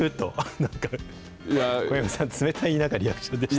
なんか小籔さん、冷たいリアクションでした。